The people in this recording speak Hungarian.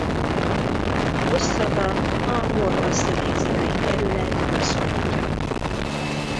Ostrava a Morva-sziléziai kerület központja.